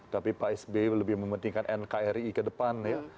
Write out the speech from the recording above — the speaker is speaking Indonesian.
tapi pak sby lebih mementingkan nkri ke depan ya